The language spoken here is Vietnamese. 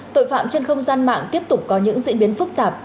tội phạm trên không gian mạng tiếp tục có những diễn biến phức tạp